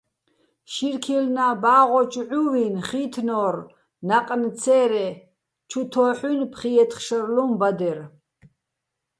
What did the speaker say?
შირქილნა ბა́ღოჩო̆ ჺუვინ ხი́თნო́რ ნა́ყნ ცე́რე ჩუ თო́ჰ̦უჲნი̆ ფხი-ჲეთხ შარლუჼ ბადერ.